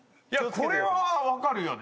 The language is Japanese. これは分かるよね？